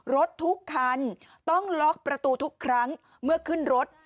รถทุกคันต้องล็อกประตูทุกครั้งเมื่อขึ้นรถ